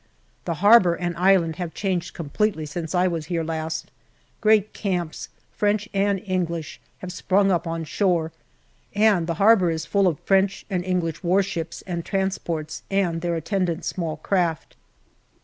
The harbour and island have changed completely since I was here last ; great camps, French and English, have sprung up on shore, and the harbour is full of French and English warships and transports and their attendant small craft.